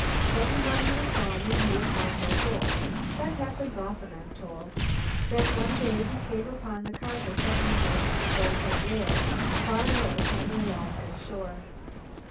Then the money was gone and he had found no gold. That happens often, I'm told. Then, one day he came upon the carcass of an immense bowhead whale far north on the Alaskan shore.